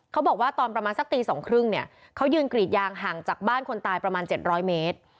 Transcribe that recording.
เขาบอกว่าตอนประมาณสักตี๒๓๐เนี่ยเขายืนกรีดยางห่างจากบ้านคนตายประมาณ๗๐๐เมตร